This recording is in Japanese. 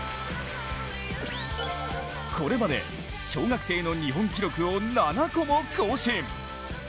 これまで小学生の日本記録を７つも更新。